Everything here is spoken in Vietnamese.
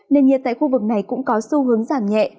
nền nhiệt tại khu vực này cũng có xu hướng giảm nhẹ